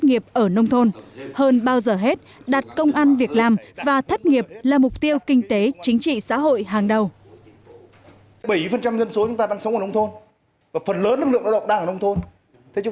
hơn bao giờ hết đặt công an việc làm và thất nghiệp là mục tiêu kinh tế chính trị xã hội hàng đầu